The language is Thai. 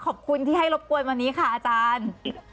ขอบคุณที่ให้รบกวนวันนี้ค่ะอาจารย์